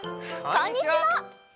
こんにちは。